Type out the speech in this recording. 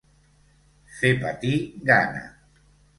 Fer patir gana.